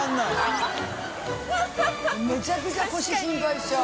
めちゃくちゃ腰心配しちゃう。